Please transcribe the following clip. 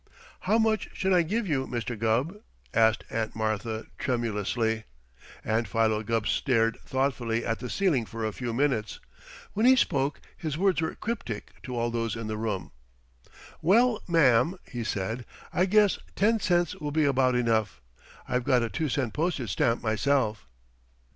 "How much should I give you, Mr. Gubb?" asked Aunt Martha tremulously, and Philo Gubb stared thoughtfully at the ceiling for a few minutes. When he spoke, his words were cryptic to all those in the room. "Well, ma'am," he said, "I guess ten cents will be about enough. I've got a two cent postage stamp myself."